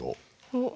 おっ。